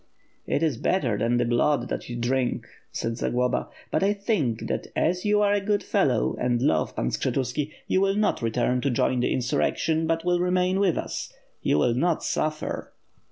"It is better than the blood that you drink," said Zagloba, "but I think that as you are a good fellow and love Pan Skshetuski you will not return to join the insurrection, but will remain with us. You will not suffer."